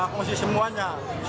ya ngungsi semuanya